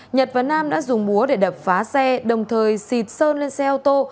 nhật và nam đã dùng búa để đập phá xe đồng thời xịt sơn lên xe ô tô